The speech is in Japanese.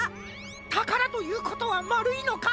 たからということはまるいのか？